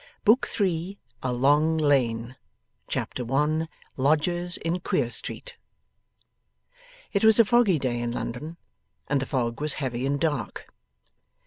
BOOK THE THIRD A LONG LANE Chapter 1 LODGERS IN QUEER STREET It was a foggy day in London, and the fog was heavy and dark.